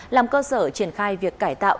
làm cơ sở triển khai việc cải tạo